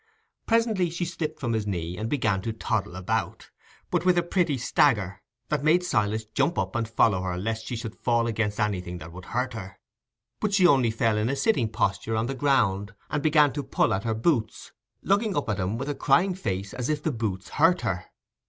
Presently she slipped from his knee and began to toddle about, but with a pretty stagger that made Silas jump up and follow her lest she should fall against anything that would hurt her. But she only fell in a sitting posture on the ground, and began to pull at her boots, looking up at him with a crying face as if the boots hurt her.